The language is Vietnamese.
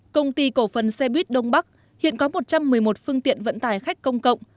công ty cổ phần xe buýt đông bắc hiện có một trăm một mươi một phương tiện vận tải khách công cộng